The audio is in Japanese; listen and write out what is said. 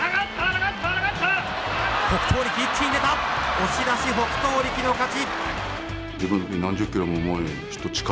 押し出し、北勝力の勝ち。